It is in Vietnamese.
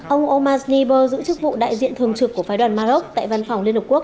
ông omar sniper giữ chức vụ đại diện thường trực của phái đoàn maroc tại văn phòng liên hợp quốc